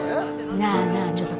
なあなあちょっと聞いた？